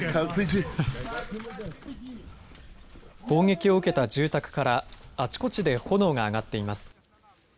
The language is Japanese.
砲撃を受けた住宅からあちこちで炎が上がっています。